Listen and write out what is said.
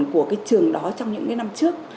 của cái trường đó trong những năm trước